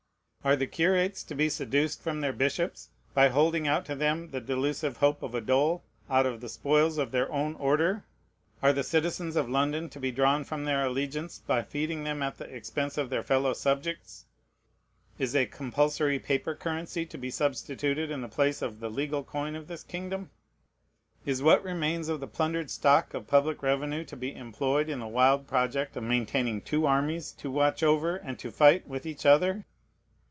Are the curates to be seduced from their bishops by holding out to them the delusive hope of a dole out of the spoils of their own order? Are the citizens of London to be drawn from their allegiance by feeding them at the expense of their fellow subjects? Is a compulsory paper currency to be substituted in the place of the legal coin of this kingdom? Is what remains of the plundered stock of public revenue to be employed in the wild project of maintaining two armies to watch over and to fight with each other?